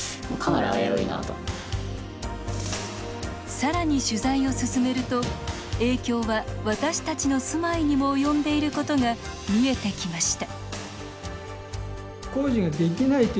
さらに取材を進めると影響は、私たちの住まいにも及んでいることが見えてきました